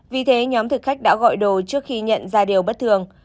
vì thế nhóm thực khách đã gọi đồ trước khi nhận ra điều bất thường